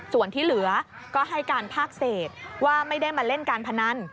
ส่วนที่เหลือก็ให้การภาคเศษว่าไม่ได้มาเล่นการพนัน